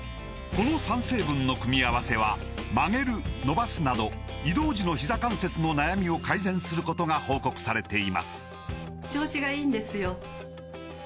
この３成分の組み合わせは曲げる伸ばすなど移動時のひざ関節の悩みを改善することが報告されています